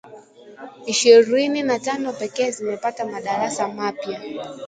ishirini na tano pekee zimepata madarasa mapya